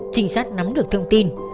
trình sát nắm được thông tin